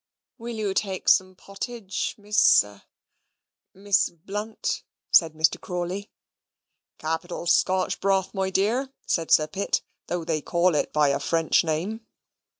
"Will you take some potage, Miss ah Miss Blunt? said Mr. Crawley. "Capital Scotch broth, my dear," said Sir Pitt, "though they call it by a French name."